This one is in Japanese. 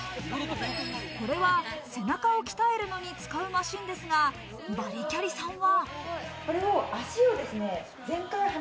これは背中を鍛えるのに使うマシンですが、バリキャリさんは。